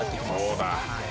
そうだ。